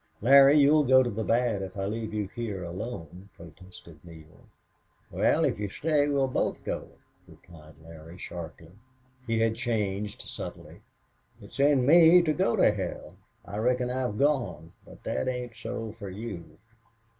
"Larry, you'll go to the bad if I leave you here alone," protested Neale. "Wel, if you stay we'll both go," replied Larry, sharply. He had changed subtly. "It's in me to go to hell I reckon I've gone but that ain't so for you."